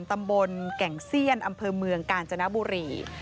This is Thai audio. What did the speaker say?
ตำบลแก่งเซียนอำเภอเมืองกาญจนบุรี